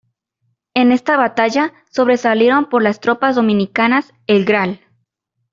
En esta batalla sobresalieron por las tropas dominicanas el Gral.